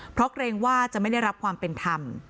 เพราะเกรงว่าจะไม่ได้รับความเป็นธรรม